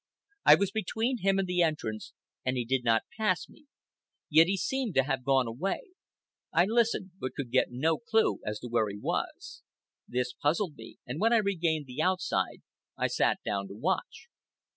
I was between him and the entrance, and he did not pass me; yet he seemed to have gone away. I listened, but could get no clew as to where he was. This puzzled me, and when I regained the outside I sat down to watch.